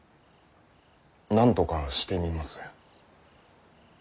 なんとかしてみます。